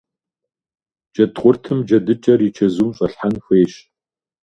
Джэдкъуртым джэдыкӀэр и чэзум щӀэлъхьэн хуейщ.